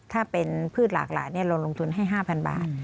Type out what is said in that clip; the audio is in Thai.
ถ้าเป็นพืชหลากหลายเราลงทุนให้๕๐๐บาท